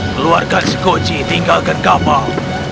keluarga tshikochi tinggalkan kapal